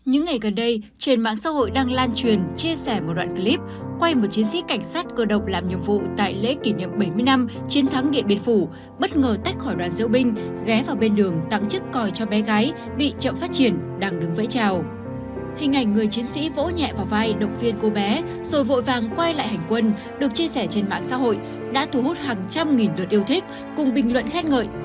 hãy đăng ký kênh để ủng hộ kênh của chúng mình nhé